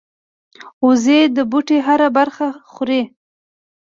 وزې د بوټي هره برخه خوري